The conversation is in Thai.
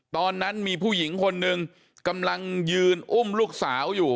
ตอนนั้นมีผู้หญิงคนหนึ่งกำลังยืนอุ้มลูกสาวอยู่